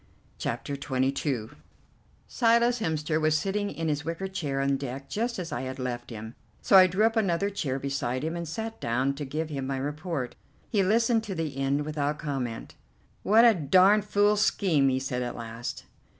CHAPTER XXII Silas Hemster was sitting in his wicker chair on deck just as I had left him, so I drew up another chair beside him and sat down to give him my report. He listened to the end without comment. "What a darned fool scheme," he said at last.